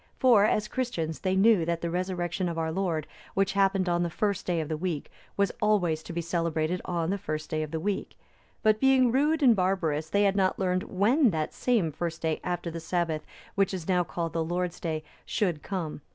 (309) For, as Christians, they knew that the Resurrection of our Lord, which happened on the first day of the week, was always to be celebrated on the first day of the week; but being rude and barbarous, they had not learned when that same first day after the Sabbath, which is now called the Lord's day, should come.